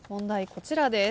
こちらです。